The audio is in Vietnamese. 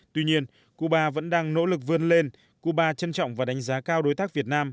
tuy nhiên cuba vẫn đang nỗ lực vươn lên cuba trân trọng và đánh giá cao đối tác việt nam